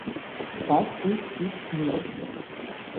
First aid kit নিয়ে এসো।